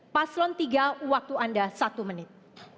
paslon tiga waktu anda satu menit